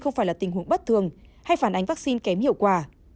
không phải là tình huống bất thường hay phản ánh vaccine kém hiệu quả